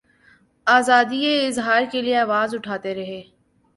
آزادیٔ اظہار کیلئے آواز اٹھاتے رہے۔